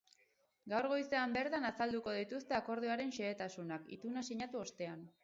Gaur goizean bertan azalduko dituzte akordioaren xehetasunak, ituna sinatu ostean.